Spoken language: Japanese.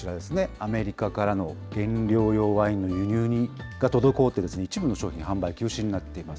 アメリカからの原料用ワインの輸入が滞って、一部の商品が販売休止になっています。